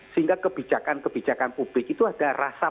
sehingga kebijakan kebijakan publik itu ada rasa